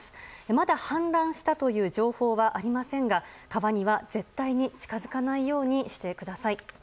まだ氾濫したという情報はありませんが川には絶対に近づかないようにしてください。